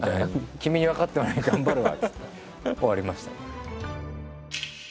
「君に分かってもらえるように頑張るわ」っつって終わりましたね。